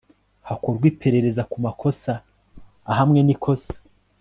hakorwe iperereza ku makosa ahamwe n ikosa